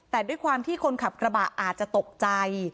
แต่ด้วยความที่คนขับกระบะอาจจะตกใจ